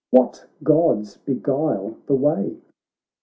What Gods beguile the way?